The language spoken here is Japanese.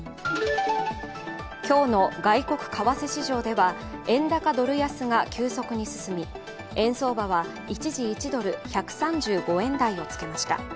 今日の外国為替市場では円高・ドル安が急速に進み、円相場は一時、１ドル＝１３５円台をつけました。